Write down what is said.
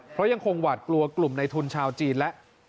เพราะยังคงหวาดกลัวกลุ่มในทุนชาวจีนและ